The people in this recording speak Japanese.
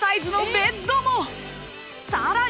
［さらに］